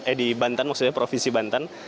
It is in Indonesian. eh di banten maksudnya provinsi banten